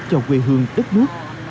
cho quê hương đất nước